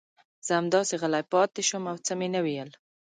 زه همداسې غلی پاتې شوم او څه مې ونه ویل.